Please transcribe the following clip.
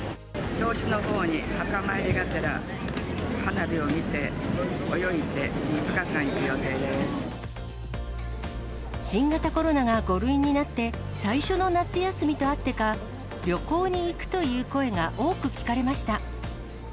銚子のほうに墓参りがてら、花火を見て、泳いで、新型コロナが５類になって、最初の夏休みとあってか、旅行に行くという声が多く聞かれました。